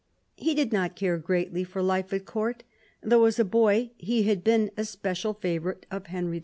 He did not care greatly for life at Court, though, as a boy, he had been a special favourite with Henry IV.